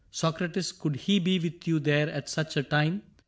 Socrates, Could he be with you there at such a time.